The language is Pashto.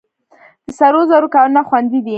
د سرو زرو کانونه خوندي دي؟